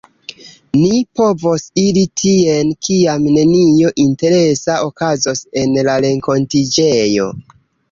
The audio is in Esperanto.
Ni povos iri tien kiam nenio interesa okazos en la renkontiĝejo.